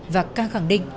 và ca khẳng định